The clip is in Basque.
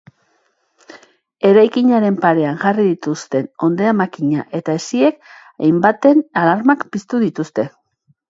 Eraikinaren parean jarri dituzten ondeamakina eta hesiek hainbaten alarmak piztu dituzte.